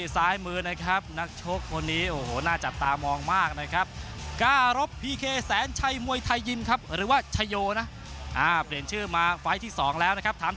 สุดท้ายสุดท้าย